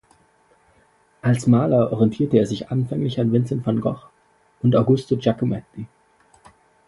Als Maler orientierte er sich anfänglich an Vincent van Gogh und Augusto Giacometti.